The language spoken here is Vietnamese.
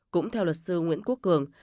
cũng theo luật sư nguyễn quốc cường